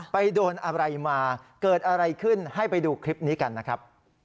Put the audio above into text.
ไปโดนอะไรมาเกิดอะไรขึ้นให้ไปดูคลิปนี้กันนะครับ